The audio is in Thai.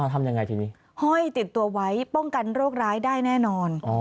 ทำยังไงทีนี้ห้อยติดตัวไว้ป้องกันโรคร้ายได้แน่นอน